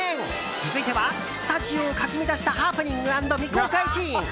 続いては、スタジオをかき乱したハプニング＆未公開シーン。